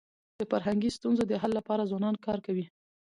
د فرهنګي ستونزو د حل لپاره ځوانان کار کوي.